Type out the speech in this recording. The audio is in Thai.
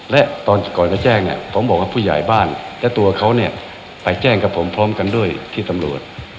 และตอนก่อนจะแจ้งเนี่ยผมบอกว่าผู้ใหญ่บ้านและตัวเขาเนี่ยไปแจ้งกับผมพร้อมกันด้วยที่ตำรวจ